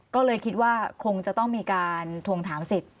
ก็เลยคิดว่าคงจะต้องมีการทวงถามสิทธิ